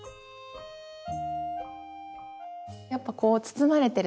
やっぱこう包まれてる